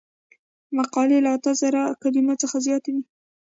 مقالې له اته زره کلمو څخه زیاتې وي.